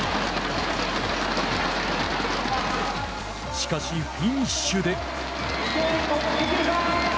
しかし、フィニッシュで。